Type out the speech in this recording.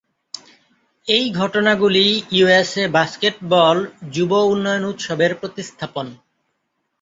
এই ঘটনাগুলি USA basketball যুব উন্নয়ন উৎসবের প্রতিস্থাপন।